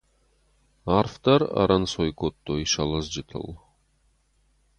Арфдӕр ӕрӕнцой кодтой сӕ лӕдзджытыл.